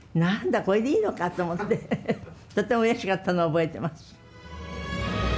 これでいいのかと思ってとってもうれしかったのを覚えてます。